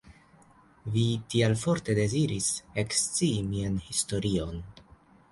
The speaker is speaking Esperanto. Vi tiel forte deziris ekscii mian historion.